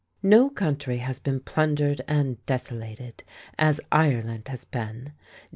No country has been plundered and desolated as Ireland has been.